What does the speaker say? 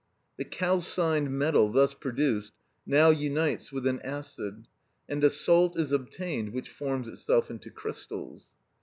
The calcined metal thus produced now unites with an acid, and a salt is obtained which forms itself into crystals.